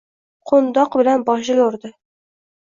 Qoʻndoq bilan boshiga urdi.